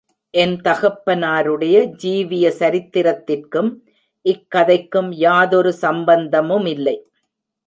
என் தகப்பனாருடைய ஜீவிய சரித்திரத்திற்கும் இக்கதைக்கும் யாதொரு சம்பந்தமுமில்லை.